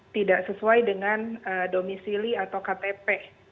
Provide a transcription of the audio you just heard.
tidak sesuai dengan domisili atau ktp